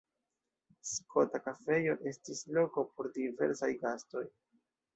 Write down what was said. Skota Kafejo estis loko por diversaj gastoj.